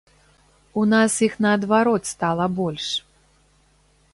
У нас іх наадварот стала больш.